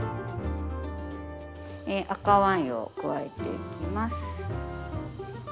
赤ワインを加えていきます。